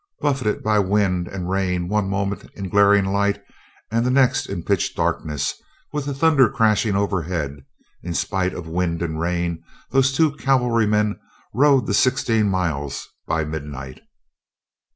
Buffeted by wind and rain, one moment in a glaring light and the next in pitch darkness, with the thunder crashing overhead, in spite of wind and rain, those two cavalrymen rode the sixteen miles by midnight.